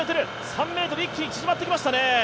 一気に縮まってきましたね。